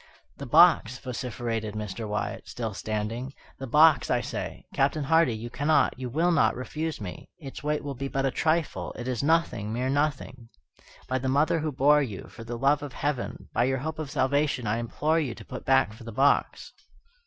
"The box!" vociferated Mr. Wyatt, still standing, "the box, I say! Captain Hardy, you cannot, you will not refuse me. Its weight will be but a trifle, it is nothing, mere nothing. By the mother who bore you for the love of Heaven by your hope of salvation, I implore you to put back for the box!"